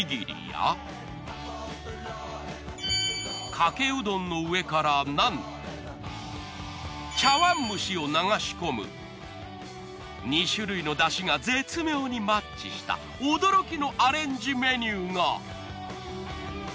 かけうどんの上からなんと茶碗蒸しを流し込む２種類の出汁が絶妙にマッチした驚きのアレンジメニューが。